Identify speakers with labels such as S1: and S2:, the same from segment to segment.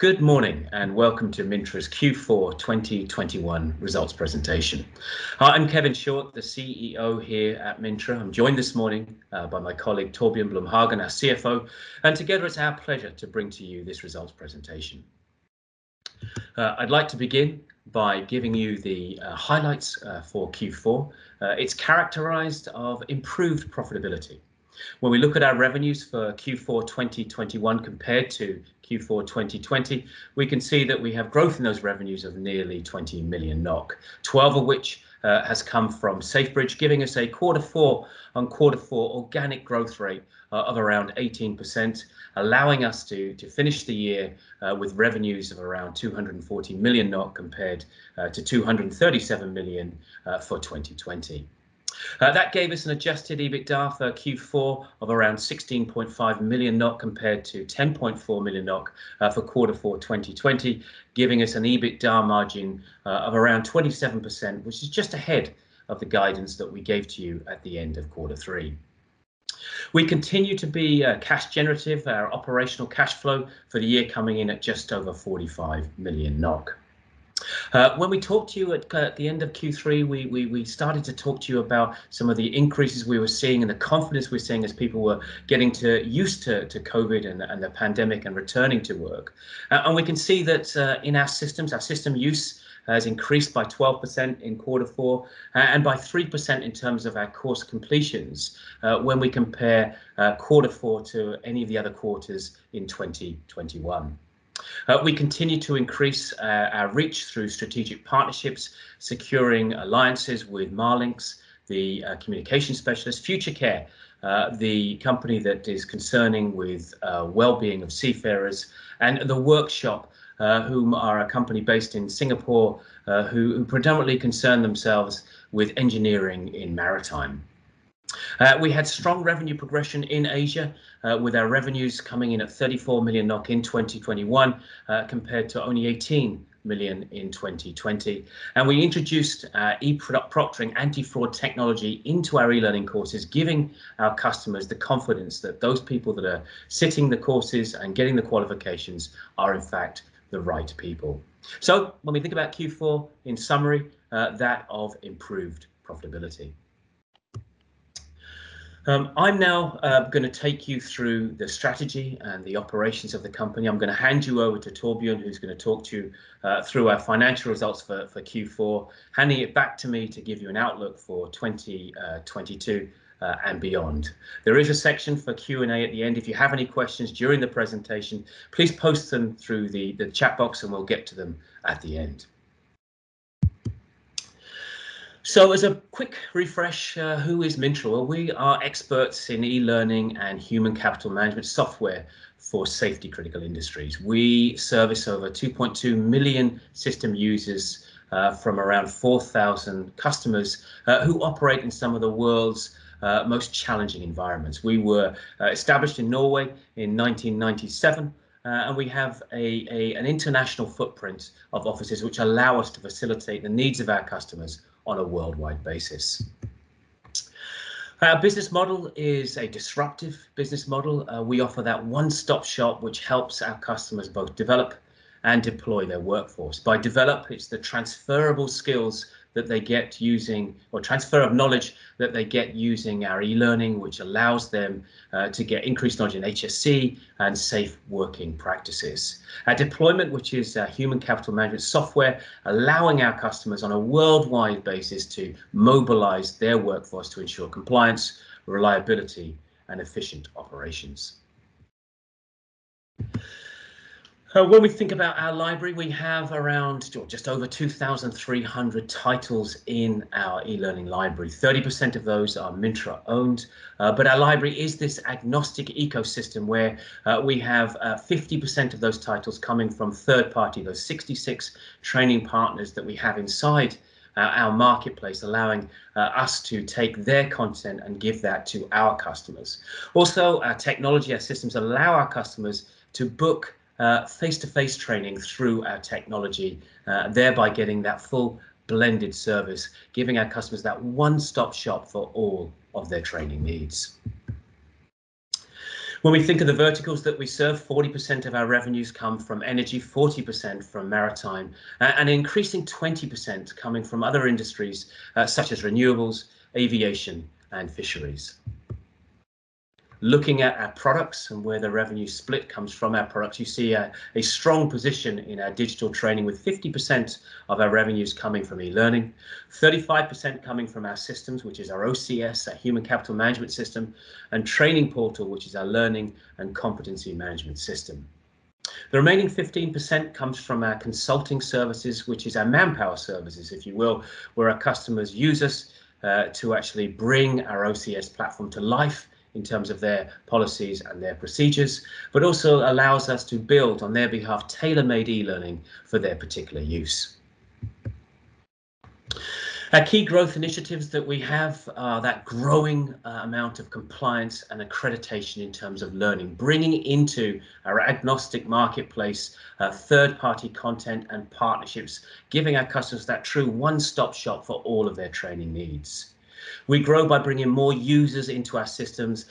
S1: Good morning and welcome to Mintra's Q4 2021 Results Presentation. Hi, I'm Kevin Short, the CEO here at Mintra. I'm joined this morning by my colleague, Torbjørn Blom-Hagen, our CFO. Together, it's our pleasure to bring to you this results presentation. I'd like to begin by giving you the highlights for Q4. It's characterized of improved profitability. When we look at our revenues for Q4 2021 compared to Q4 2020, we can see that we have growth in those revenues of nearly 20 million NOK. 12 of which has come from Safebridge, giving us a quarter four, on quarter four organic growth rate of around 18%, allowing us to finish the year with revenues of around 240 million compared to 237 million for 2020. That gave us an adjusted EBITDA for Q4 of around 16.5 million compared to 10.4 million NOK for quarter four 2020, giving us an EBITDA margin of around 27%, which is just ahead of the guidance that we gave to you at the end of quarter three. We continue to be cash generative, our operational cash flow for the year coming in at just over 45 million NOK. When we talked to you at the end of Q3, we started to talk to you about some of the increases we were seeing and the confidence we're seeing, as people were getting used to COVID and the pandemic and returning to work. We can see that in our systems, our system use has increased by 12% in quarter four, and by 3% in terms of our course completions, when we compare quarter four to any of the other quarters in 2021. We continue to increase our reach through strategic partnerships, securing alliances with Marlink, the communication specialist, Future Care, the company that is concerned with wellbeing of seafarers, and The Work Shop, who are a company based in Singapore, who predominantly concern themselves with engineering in maritime. We had strong revenue progression in Asia, with our revenues coming in at 34 million NOK in 2021, compared to only 18 million in 2020. We introduced e-proctoring anti-fraud technology into our e-learning courses, giving our customers the confidence that those people that are sitting the courses and getting the qualifications are in fact the right people. When we think about Q4, in summary, that of improved profitability. I'm now going to take you through the strategy, and the operations of the company. I'm going to hand you over to Torbjørn, who's going to talk to you through our financial results for Q4, handing it back to me to give you an outlook for 2022 and beyond. There is a section for Q&A at the end. If you have any questions during the presentation, please post them through the chat box and we'll get to them at the end. As a quick refresh, who is Mintra? We are experts in e-learning, and human capital management software for safety-critical industries. We service over 2.2 million system users from around 4,000 customers who operate in some of the world's most challenging environments. We were established in Norway in 1997. We have an international footprint of offices which allow us to facilitate the needs of our customers on a worldwide basis. Our business model is a disruptive business model. We offer that one-stop shop which helps our customers both develop, and deploy their workforce. By develop, it's the transfer of knowledge that they get using our e-learning, which allows them to get increased knowledge in HSE, and safe working practices. Our deployment, which is a human capital management software, allowing our customers on a worldwide basis to mobilize their workforce to ensure compliance, reliability, and efficient operations. When we think about our library, we have around just over 2,300 titles in our e-learning library. 30% of those are Mintra-owned. Our library is this agnostic ecosystem where we have 50% of those titles coming from third-party, those 66 training partners that we have inside our marketplace, allowing us to take their content and give that to our customers. Also, our technology, our systems allow our customers to book face-to-face training through our technology, thereby getting that full blended service, giving our customers that one-stop shop for all of their training needs. When we think of the verticals that we serve, 40% of our revenues come from energy, 40% from maritime, and an increasing 20% coming from other industries, such as renewables, aviation, and fisheries. Looking at our products and where the revenue split comes from our products, you see a strong position in our digital training with 50% of our revenues coming from e-learning, 35% coming from our systems, which is our OCS, our human capital management system, and Trainingportal, which is our learning and competency management system. The remaining 15% comes from our consulting services, which is our manpower services, if you will, where our customers use us to actually bring our OCS platform to life in terms of their policies and their procedures, but also allows us to build on their behalf, tailor-made e-learning for their particular use. Our key growth initiatives that we have are that growing amount of compliance and accreditation in terms of learning, bringing into our agnostic marketplace third-party content and partnerships, giving our customers that true one-stop shop for all of their training needs. We grow by bringing more users into our systems,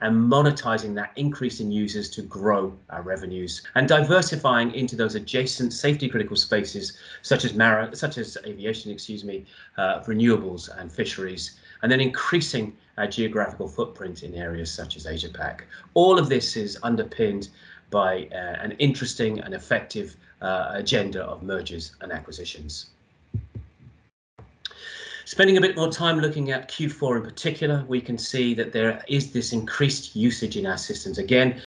S1: and monetizing that increase in users to grow our revenues. Diversifying into those adjacent safety-critical spaces, such as aviation, excuse me, renewables and fisheries. Then increasing our geographical footprint in areas such as Asia Pac. All of this is underpinned by an interesting, and effective agenda of mergers and acquisitions. Spending a bit more time looking at Q4 in particular, we can see that there is this increased usage in our systems again,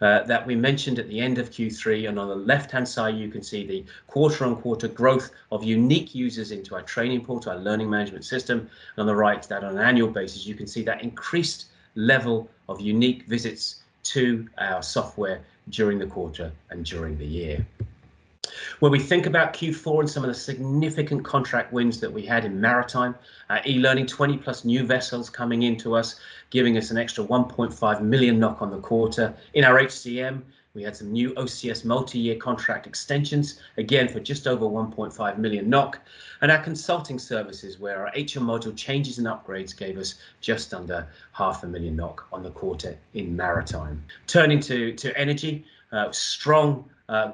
S1: that we mentioned at the end of Q3. On the left-hand side, you can see the quarter-on-quarter growth of unique users into our Trainingportal, our learning management system. On the right, on an annual basis, you can see that increased level of unique visits to our software during the quarter and during the year. When we think about Q4 and some of the significant contract wins that we had in maritime e-learning, 20+ new vessels coming into us, giving us an extra 1.5 million NOK on the quarter. In our HCM, we had some new OCS multi-year contract extensions, again, for just over 1.5 million NOK. Our consulting services, where our HCM module changes, and upgrades gave us just under half a million NOK on the quarter in maritime. Turning to energy, strong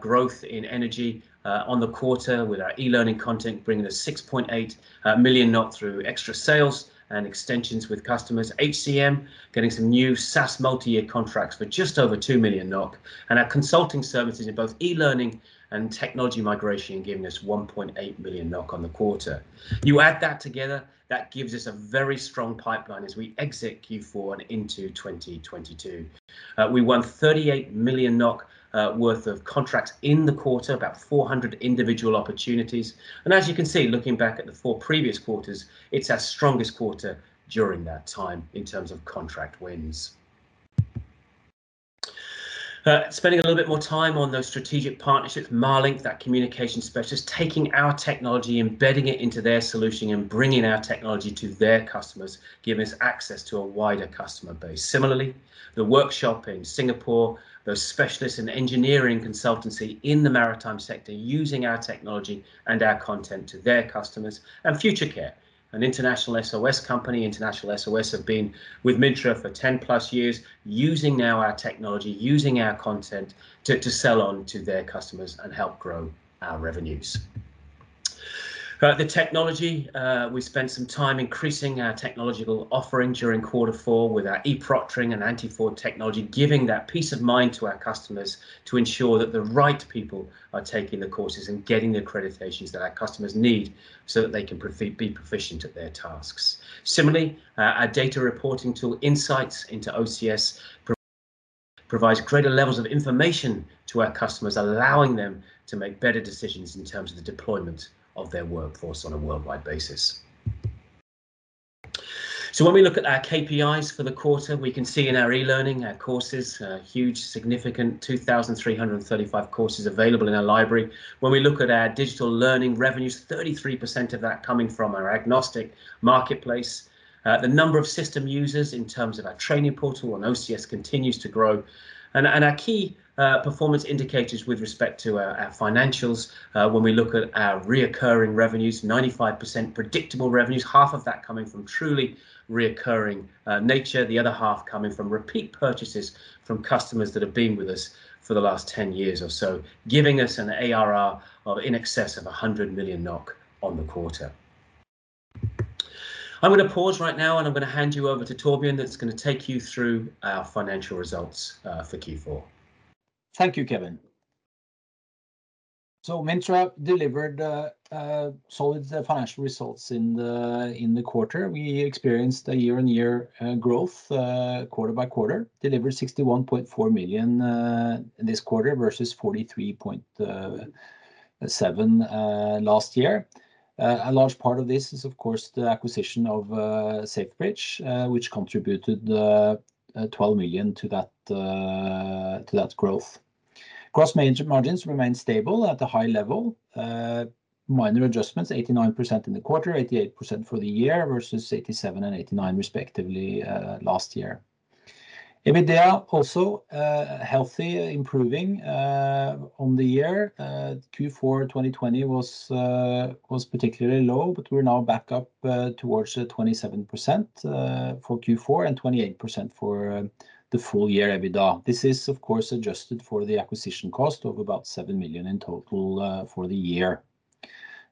S1: growth in energy on the quarter with our e-learning content, bringing us 6.8 million through extra sales and extensions with customers. HCM getting some new SaaS multi-year contracts for just over 2 million NOK. Our consulting services in both e-learning, and technology migration giving us 1.8 million NOK on the quarter. You add that together, that gives us a very strong pipeline as we exit Q4 and into 2022. We won 38 million NOK worth of contracts in the quarter, about 400 individual opportunities. As you can see, looking back at the four previous quarters, it's our strongest quarter during that time in terms of contract wins. Spending a little bit more time on those strategic partnerships. Marlink, that communication specialist, taking our technology, embedding it into their solution and bringing our technology to their customers, giving us access to a wider customer base. Similarly, The Work Shop in Singapore, those specialists in engineering consultancy in the maritime sector using our technology and our content to their customers. Future Care, an International SOS company. International SOS have been with Mintra for 10-plus years, using now our technology, using our content to sell on to their customers and help grow our revenues. The technology, we spent some time increasing our technological offering during quarter four with our e-proctoring and anti-fraud technology, giving that peace of mind to our customers to ensure that the right people are taking the courses, and getting the accreditations that our customers need so that they can be proficient at their tasks. Similarly, our data reporting tool, Insights into OCS, provides greater levels of information to our customers, allowing them to make better decisions in terms of the deployment of their workforce on a worldwide basis. When we look at our KPIs for the quarter, we can see in our e-learning, our courses, a huge, significant 2,335 courses available in our library. When we look at our digital learning revenues, 33% of that coming from our agnostic marketplace. The number of system users in terms of our Trainingportal on OCS continues to grow. Our key performance indicators with respect to our financials, when we look at our recurring revenues, 95% predictable revenues, half of that coming from truly recurring nature, the other half coming from repeat purchases from customers that have been with us for the last 10 years or so, giving us an ARR of in excess of 100 million NOK on the quarter. I'm going to pause right now, and I'm going to hand you over to Torbjørn that's going to take you through our financial results for Q4.
S2: Thank you, Kevin. Mintra delivered solid financial results in the quarter. We experienced a year-on-year growth quarter by quarter. Delivered 61.4 million this quarter versus 43.7 million last year. A large part of this is of course the acquisition of Safebridge, which contributed 12 million to that growth. Gross margins remained stable at a high level. Minor adjustments, 89% in the quarter, 88% for the year versus 87% and 89% respectively last year. EBITDA also healthy, improving on the year. Q4 2020 was particularly low, but we're now back up towards the 27% for Q4 and 28% for the full year EBITDA. This is of course adjusted for the acquisition cost of about 7 million in total for the year.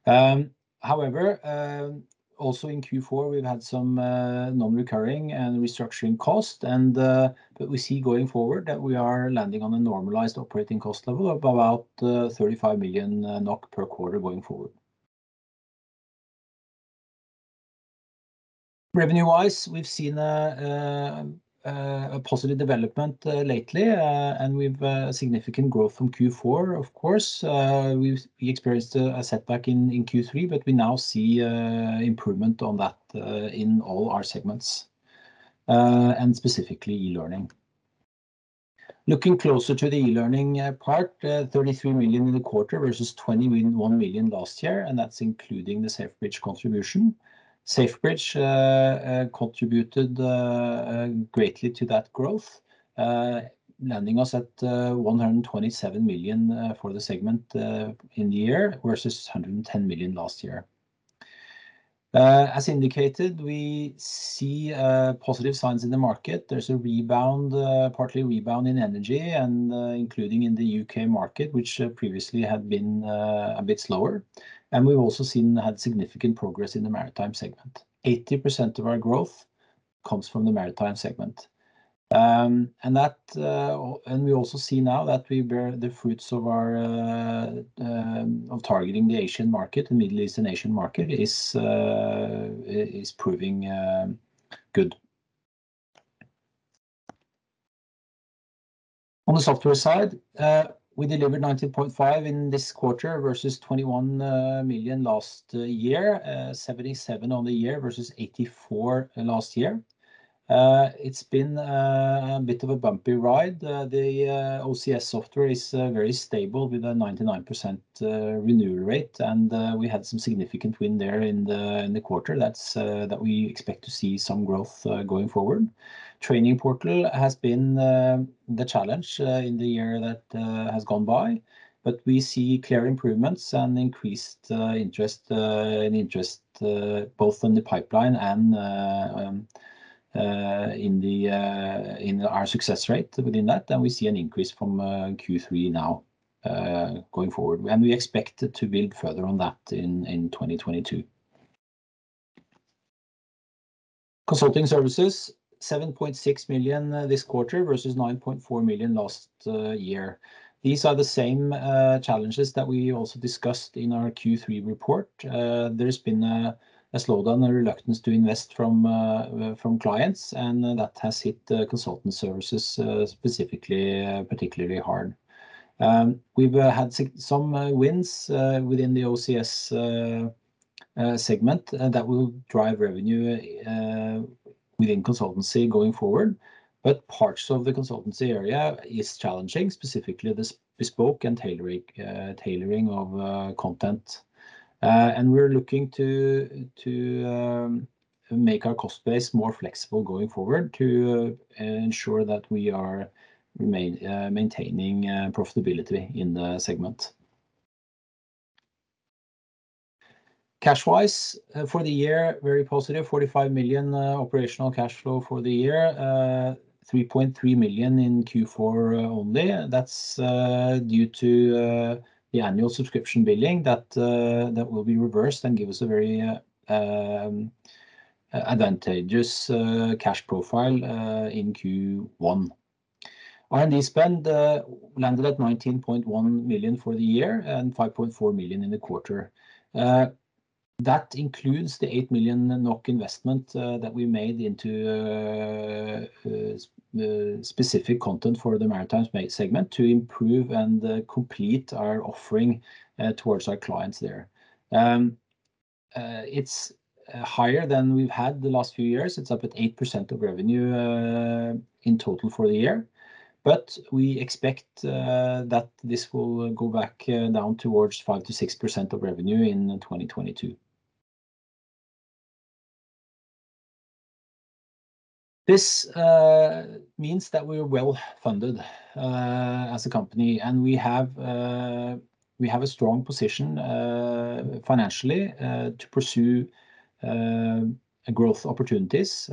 S2: However, also in Q4, we've had some non-recurring and restructuring costs. We see going forward that we are landing on a normalized operating cost level of about 35 million NOK per quarter going forward. Revenue-wise, we've seen a positive development lately, and we've a significant growth from Q4 of course. We experienced a setback in Q3, but we now see improvement on that in all our segments and specifically e-learning. Looking closer to the e-learning part, 33 million in the quarter versus 21 million last year, and that's including the Safebridge contribution. Safebridge contributed greatly to that growth, landing us at 127 million for the segment in the year versus 110 million last year. As indicated, we see positive signs in the market. There's a rebound, partly rebound in energy and including in the U.K. market, which previously had been a bit slower. We've also seen significant progress in the maritime segment. 80% of our growth comes from the maritime segment. We also see now that we bear the fruits of our targeting the Asian market, and Middle Eastern and Asian market is proving good. On the software side, we delivered 19.5 in this quarter versus 21 million last year. 77 on the year versus 84 last year. It's been a bit of a bumpy ride. The OCS software is very stable with a 99% renewal rate. We had some significant win there in the quarter, that we expect to see some growth going forward. Trainingportal has been the challenge in the year that has gone by, but we see clear improvements and increased interest both on the pipeline and in our success rate within that. We see an increase from Q3 now going forward, and we expect to build further on that in 2022. Consulting services, 7.6 million this quarter versus 9.4 million last year. These are the same challenges that we also discussed in our Q3 report. There's been a slowdown and reluctance to invest from clients, and that has hit the consultant services, specifically particularly hard. We've had some wins within the OCS segment that will drive revenue within consultancy going forward. Parts of the consultancy area is challenging, specifically the bespoke and tailoring of content. We're looking to make our cost base more flexible going forward, to ensure that we remain maintaining profitability in the segment. Cash-wise, for the year, very positive. 45 million operational cash flow for the year. 3.3 million in Q4 only. That's due to the annual subscription billing that will be reversed and give us a very advantageous cash profile in Q1. R&D spend landed at 19.1 million for the year and 5.4 million in the quarter. That includes the 8 million NOK investment that we made into specific content for the maritime segment to improve, and complete our offering towards our clients there. It's higher than we've had the last few years. It's up at 8% of revenue in total for the year. We expect that this will go back down towards 5%-6% of revenue in 2022. This means that we are well-funded as a company, and we have a strong position financially to pursue growth opportunities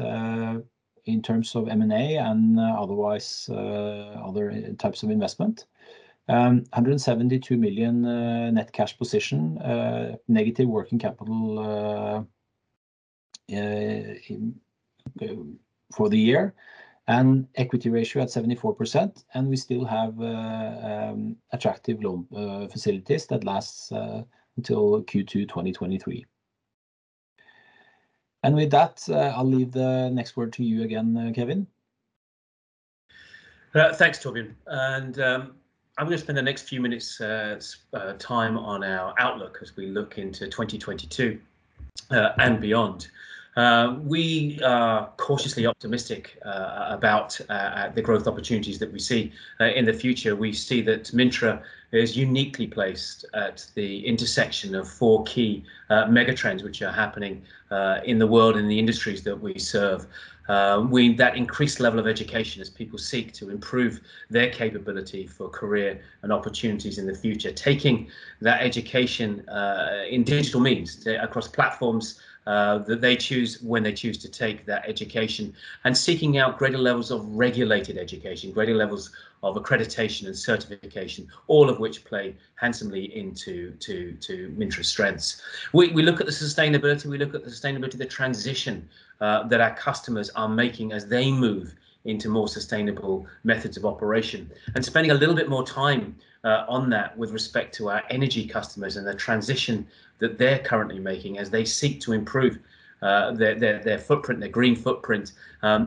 S2: in terms of M&A and otherwise, other types of investment. 172 million net cash position, negative working capital for the year, and equity ratio at 74% and we still have attractive loan facilities that lasts until Q2 2023. With that, I'll leave the next word to you again, Kevin.
S1: Thanks, Torbjørn. I'm going to spend the next few minutes on our outlook as we look into 2022 and beyond. We are cautiously optimistic about the growth opportunities that we see in the future. We see that Mintra is uniquely placed at the intersection of four key mega trends, which are happening in the world and the industries that we serve. That increased level of education as people seek to improve their capability for career and opportunities in the future, taking that education in digital means, across platforms that they choose when they choose to take that education. Seeking out greater levels of regulated education, greater levels of accreditation and certification, all of which play handsomely into Mintra's strengths. We look at the sustainability, the transition that our customers are making as they move into more sustainable methods of operation. Spending a little bit more time on that with respect to our energy customers, and the transition that they're currently making as they seek to improve their green footprint.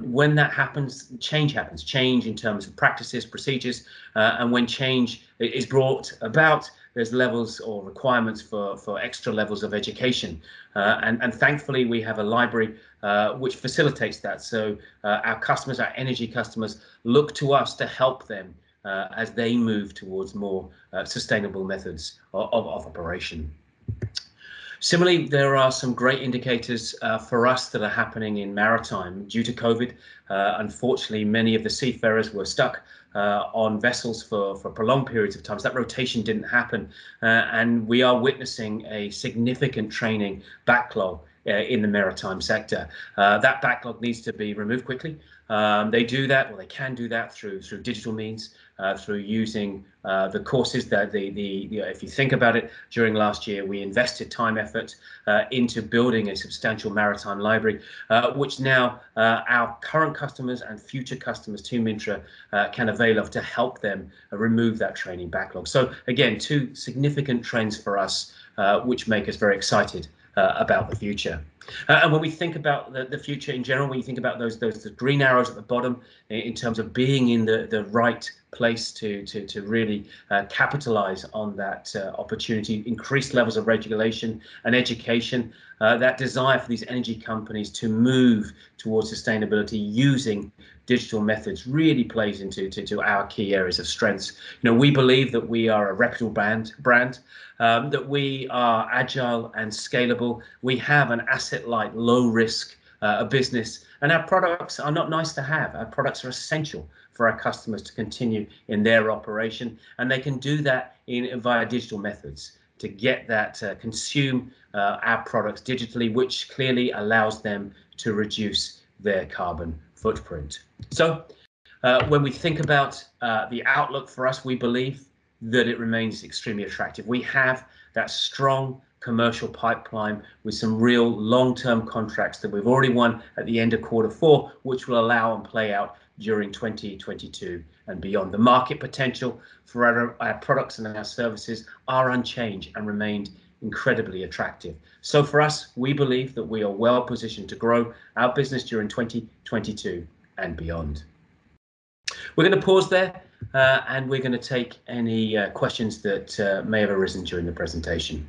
S1: When that happens, change happens. Change in terms of practices, procedures. When change is brought about, there's levels or requirements for extra levels of education. Thankfully, we have a library which facilitates that. Our customers, our energy customers look to us to help them as they move towards more sustainable methods of operation. Similarly, there are some great indicators for us that are happening in maritime due to COVID. Unfortunately, many of the seafarers were stuck on vessels for prolonged periods of times. That rotation didn't happen. We are witnessing a significant training backlog in the maritime sector. That backlog needs to be removed quickly. They do that or they can do that through digital means, through using the courses that. You know, if you think about it, during last year we invested time, effort into building a substantial maritime library, which now our current customers and future customers to Mintra can avail of to help them remove that training backlog. Again, two significant trends for us, which make us very excited about the future. When we think about the future in general, when you think about those green arrows at the bottom in terms of being in the right place to really capitalize on that opportunity, increased levels of regulation and education, that desire for these energy companies to move towards sustainability using digital methods really plays into our key areas of strengths. You know, we believe that we are a reputable brand, that we are agile and scalable. We have an asset-light, low-risk business, and our products are not nice to have. Our products are essential for our customers to continue in their operation, and they can do that via digital methods to consume our products digitally, which clearly allows them to reduce their carbon footprint. When we think about the outlook for us, we believe that it remains extremely attractive. We have that strong commercial pipeline with some real long-term contracts that we've already won at the end of quarter four, which will allow and play out during 2022 and beyond. The market potential for our products, and our services are unchanged and remained incredibly attractive. For us, we believe that we are well positioned to grow our business during 2022 and beyond. We're going to pause there, and we're going to take any questions that may have arisen during the presentation.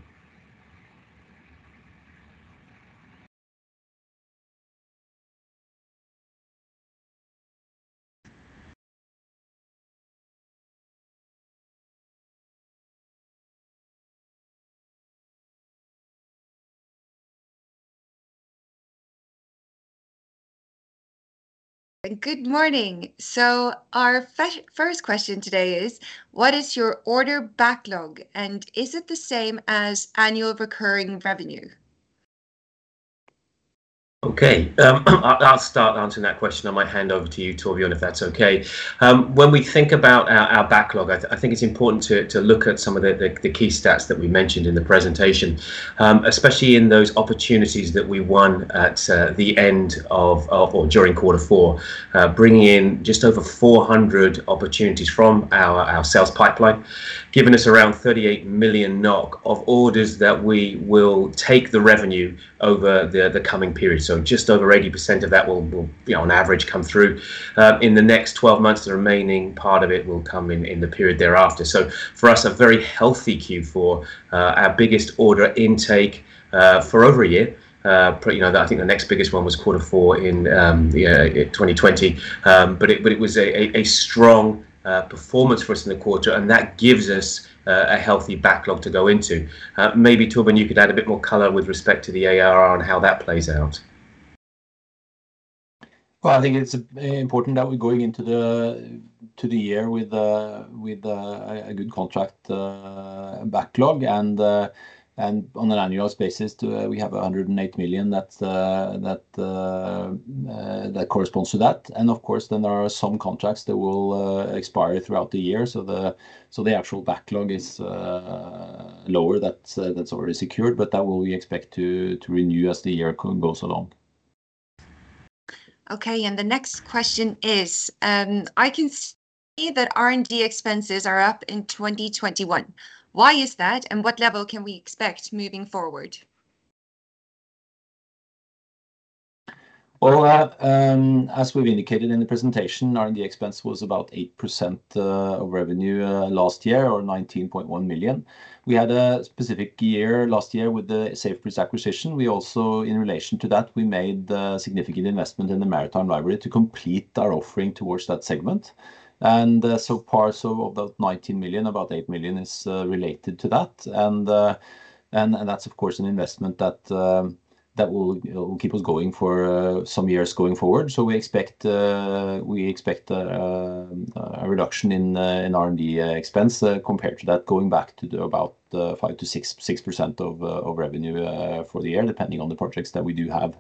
S3: Good morning. Our first question today is, what is your order backlog, and is it the same as annual recurring revenue?
S1: Okay, I'll start answering that question. I might hand over to you, Torbjørn, if that's okay. When we think about our backlog, I think it's important to look at some of the key stats that we mentioned in the presentation, especially in those opportunities that we won at the end or during quarter four, bringing in just over 400 opportunities from our sales pipeline, giving us around 38 million NOK of orders that we will take the revenue over the coming period. Just over 80% of that will, you know, on average, come through in the next 12 months. The remaining part of it will come in the period thereafter. For us, a very healthy Q4. Our biggest order intake for over a year. You know, I think the next biggest one was quarter four in, you know, 2020. It was a strong performance for us in the quarter, and that gives us a healthy backlog to go into. Maybe, Torbjørn, you could add a bit more color with respect to the ARR and how that plays out.
S2: Well, I think it's very important that we're going into the year with a good contract backlog, and on an annual basis, we have 108 million that corresponds to that. Of course, then there are some contracts that will expire throughout the year. The actual backlog is lower, that's already secured, but that we expect to renew as the year goes along.
S3: Okay, the next question is, I can see that R&D expenses are up in 2021. Why is that, and what level can we expect moving forward?
S2: Well, as we've indicated in the presentation, R&D expense was about 8% of revenue last year, or 19.1 million. We had a specific year last year with the Safebridge acquisition. We also, in relation to that, we made a significant investment in the maritime library to complete our offering towards that segment. Parts of that 19 million, about 8 million is related to that. That's of course an investment that will, you know, keep us going for some years going forward. We expect a reduction in R&D expense compared to that, going back to about 5%-6% of revenue for the year, depending on the projects that we do have.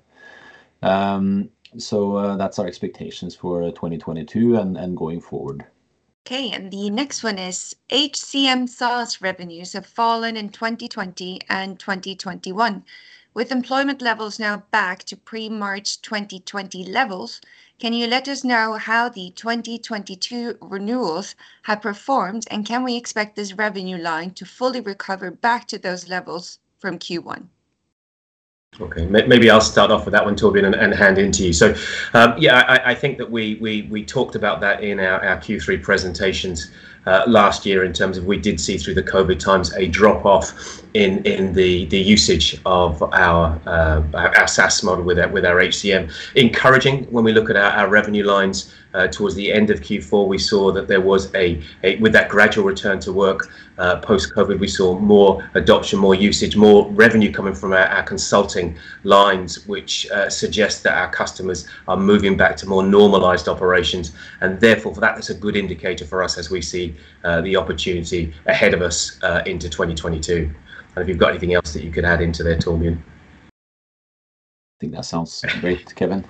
S2: That's our expectations for 2022 and going forward.
S3: Okay, the next one is HCM SaaS revenues have fallen in 2020 and 2021. With employment levels now back to pre-March 2020 levels, can you let us know how the 2022 renewals have performed, and can we expect this revenue line to fully recover back to those levels from Q1?
S1: Okay. Maybe I'll start off with that one, Torbjørn, and hand it to you. Yeah, I think that we talked about that in our Q3 presentations last year, in terms of, we did see through the COVID times a drop-off in the usage of our SaaS model with our HCM. It's encouraging when we look at our revenue lines, towards the end of Q4 we saw that with that gradual return to work post-COVID, we saw more adoption, more usage, more revenue coming from our consulting lines, which suggests that our customers are moving back to more normalized operations, and therefore that's a good indicator for us as we see the opportunity ahead of us into 2022. If you've got anything else that you could add into there, Torbjørn.
S2: I think that sounds great, Kevin.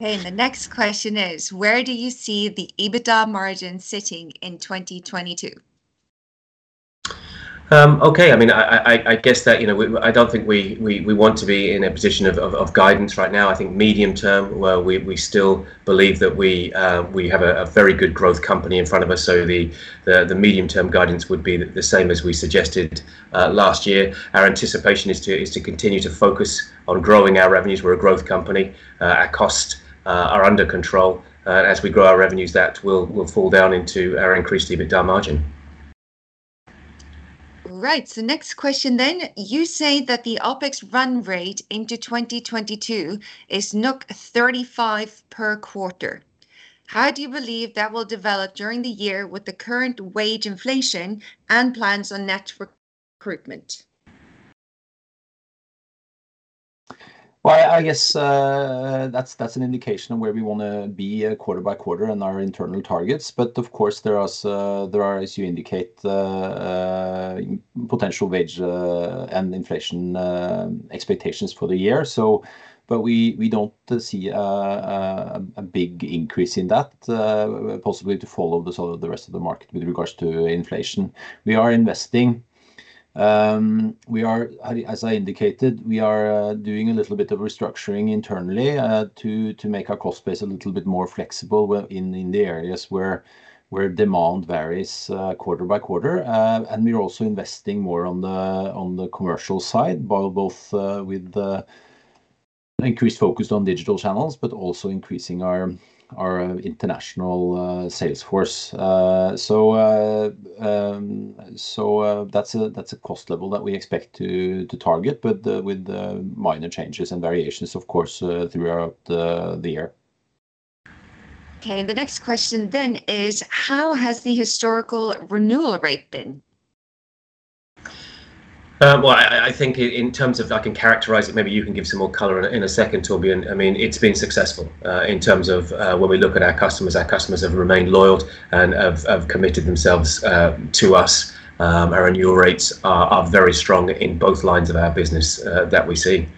S3: Okay. The next question is, where do you see the EBITDA margin sitting in 2022?
S1: I mean, I guess that, you know, I don't think we want to be in a position of guidance right now. I think medium term, we still believe that we have a very good growth company in front of us, so the medium term guidance would be the same as we suggested last year. Our anticipation is to continue to focus on growing our revenues. We're a growth company. Our costs are under control. As we grow our revenues, that will flow down into our increased EBITDA margin.
S3: Right. Next question. You say that the OpEx run rate into 2022 is 35 per quarter. How do you believe that will develop during the year with the current wage inflation and plans on net recruitment?
S2: Well, I guess that's an indication of where we want to be quarter by quarter in our internal targets, but of course there are, as you indicate, potential wage and inflation expectations for the year. We don't see a big increase in that, possibly to follow sort of the rest of the market with regards to inflation. We are investing. As I indicated, we are doing a little bit of restructuring internally, to make our cost base a little bit more flexible in the areas where demand varies quarter by quarter. We're also investing more on the commercial side by both with the increased focus on digital channels, but also increasing our international sales force. That's a cost level that we expect to target, but with minor changes and variations of course throughout the year.
S3: Okay. The next question then is, how has the historical renewal rate been?
S1: I think in terms of I can characterize it, maybe you can give some more color in a second, Torbjørn. I mean, it's been successful. In terms of, when we look at our customers, our customers have remained loyal and have committed themselves to us. Our renewal rates are very strong in both lines of our business that we see.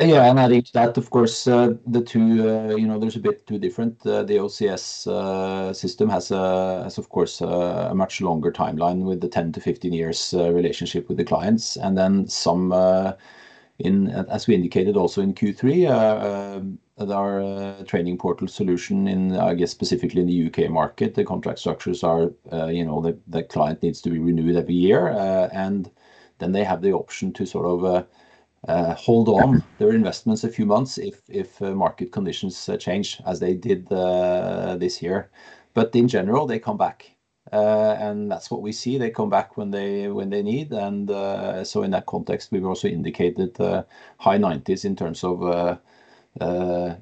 S2: Yeah. I think that of course, the two, you know, there are two different. The OCS system has of course a much longer timeline with the 10-15 years relationship with the clients. Then as we indicated also in Q3, our Trainingportal solution in, I guess, specifically in the U.K. market, the contract structures are, you know, the client needs to be renewed every year. Then they have the option to sort of hold on their investments a few months if market conditions change as they did this year. In general, they come back. That's what we see. They come back when they need. In that context, we've also indicated high 90s% in terms of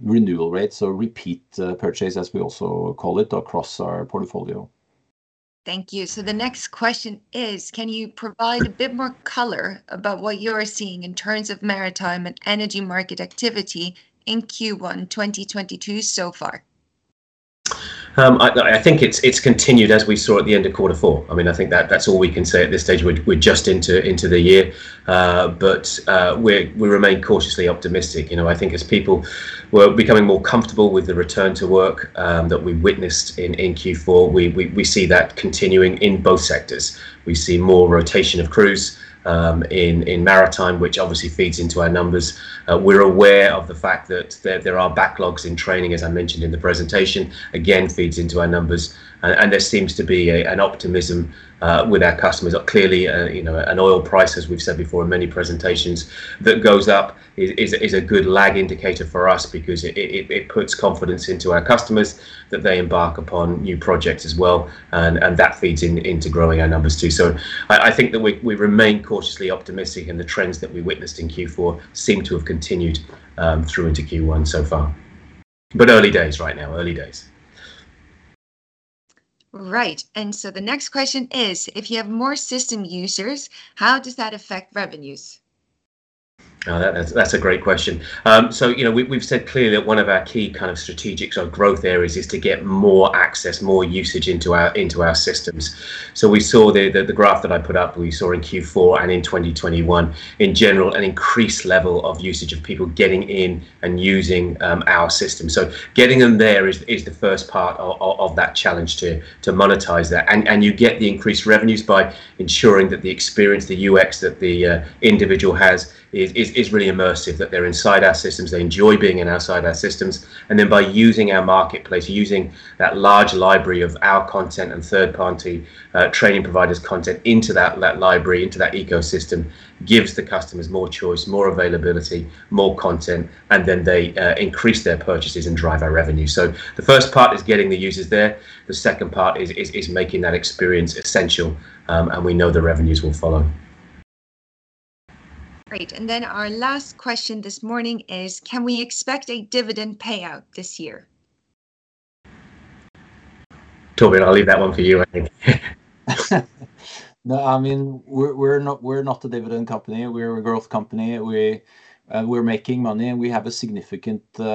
S2: renewal rates or repeat purchase as we also call it across our portfolio.
S3: Thank you. The next question is, can you provide a bit more color about what you are seeing in terms of maritime and energy market activity in Q1 2022 so far?
S1: I think it's continued as we saw at the end of quarter four. I mean, I think that's all we can say at this stage. We're just into the year. We remain cautiously optimistic. You know, I think as people were becoming more comfortable with the return to work, that we witnessed in Q4, we see that continuing in both sectors. We see more rotation of crews in maritime, which obviously feeds into our numbers. We're aware of the fact that there are backlogs in training, as I mentioned in the presentation. Again, feeds into our numbers. There seems to be an optimism with our customers. Clearly, you know, an oil price as we've said before in many presentations, that goes up is a good lag indicator for us, because it puts confidence into our customers that they embark upon new projects as well, and that feeds into growing our numbers too. I think that we remain cautiously optimistic, and the trends that we witnessed in Q4 seem to have continued through into Q1 so far, but early days right now. Early days.
S3: Right. The next question is, if you have more system users, how does that affect revenues?
S1: Oh, that's a great question. You know, we've said clearly that one of our key kind of strategic or growth areas is to get more access, more usage into our systems. We saw the graph that I put up, we saw in Q4, and in 2021 in general, an increased level of usage of people getting in and using our system. Getting them there is the first part of that challenge to monetize that. You get the increased revenues by ensuring that the experience, the UX that the individual has is really immersive, that they're inside our systems, they enjoy being inside our systems. By using our marketplace, using that large library of our content and third-party training providers content into that library, into that ecosystem, gives the customers more choice, more availability, more content, and then they increase their purchases and drive our revenue. The first part is getting the users there. The second part is making that experience essential, and we know the revenues will follow.
S3: Great. Our last question this morning is, can we expect a dividend payout this year?
S1: Torbjørn, I'll leave that one for you, I think.
S2: No, I mean, we're not a dividend company. We're a growth company. We're making money, and we have a significant and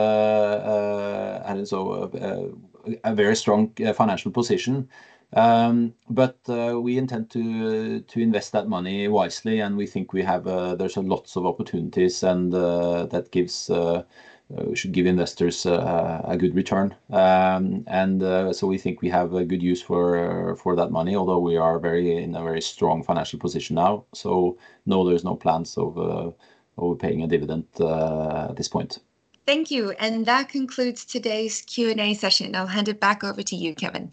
S2: a very strong financial position. We intend to invest that money wisely, and we think there's lots of opportunities and that should give investors a good return. We think we have a good use for that money, although we are in a very strong financial position now. No, there's no plans of paying a dividend at this point.
S3: Thank you, and that concludes today's Q&A session. I'll hand it back over to you, Kevin.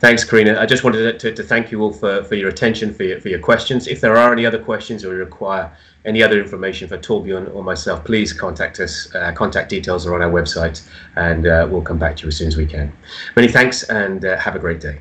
S1: Thanks, Karina. I just wanted to thank you all for your attention, for your questions. If there are any other questions or require any other information from Torbjørn or myself, please contact us. Our contact details are on our website, and we'll come back to you as soon as we can. Many thanks, and have a great day.